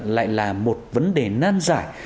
lại là một vấn đề nan giải